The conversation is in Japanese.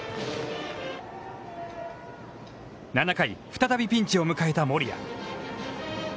再びピンチを迎えた森谷。